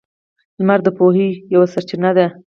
• لمر د پوهې یوه سرچینه ده.